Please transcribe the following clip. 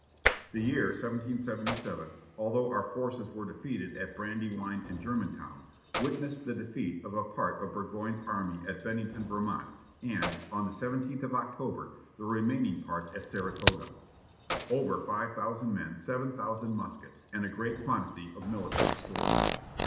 The year 1777, although our forces were defeated at Brandywine and Germantown, witnessed the defeat of a part of Burgoyne's army at Bennington, Vermont, and, on the 17th of October, the remaining part at Saratoga; over five thousand men, seven thousand muskets, and a great quantity of military stores.